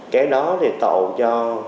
cái đó thì tạo cho